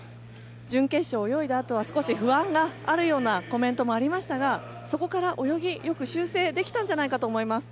準決勝を泳いだあとは不安があるようなコメントでしたがそこから泳ぎよく修正できたんじゃないかと思います。